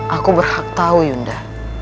aku berhak tahu yunda